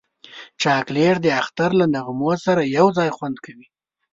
چاکلېټ د اختر له نغمو سره یو ځای خوند کوي.